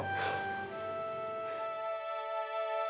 ya udah mpok